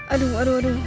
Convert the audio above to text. aduh aduh aduh